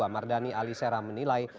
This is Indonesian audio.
mardani alisera menilai